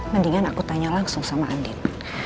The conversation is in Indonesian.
mendingan aku tanya langsung sama adit